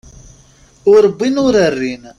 Ur wwin ur rrin.